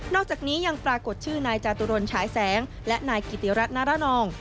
อกจากนี้ยังปรากฏชื่อนายจาตุรนฉายแสงและนายกิติรัฐนารนอง